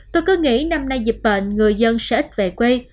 tôi cứ nghĩ năm nay dịch bệnh người dân sẽ ít về quê